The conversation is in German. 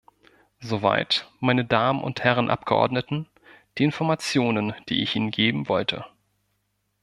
Soweit, meine Damen und Herren Abgeordneten, die Informationen, die ich Ihnen geben wollte.